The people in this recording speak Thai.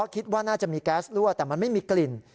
คิดว่าน่าจะมีแก๊สรั่วแต่มันไม่มีกลิ่น